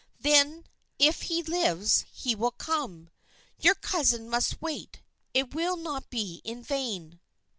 "Then, if he lives, he will come. Your cousin must wait; it will not be in vain."